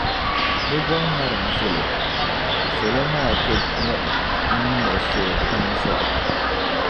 bɛ bom’ ŋariŋ zal’ o, salo maa ti muɣi m-miris’ o pam zuɣu.